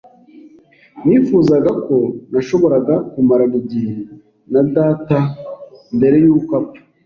Nifuzaga ko nashoboraga kumarana igihe na data mbere yuko apfa.